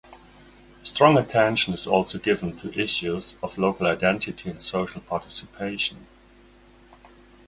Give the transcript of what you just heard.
Strong attention is also given to issues of local identity and social participation.